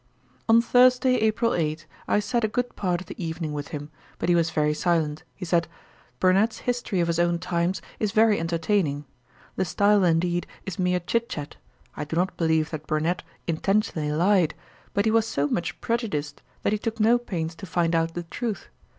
On Thursday, April 8, I sat a good part of the evening with him, but he was very silent. He said, 'Burnet's History of his own times is very entertaining. The style, indeed, is mere chitchat. I do not believe that Burnet intentionally lyed; but he was so much prejudiced, that he took no pains to find out the truth.